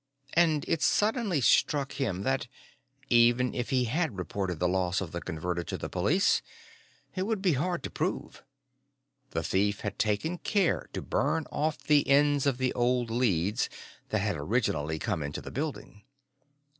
And it suddenly struck him that, even if he had reported the loss of the Converter to the police, it would be hard to prove. The thief had taken care to burn off the ends of the old leads that had originally come into the building.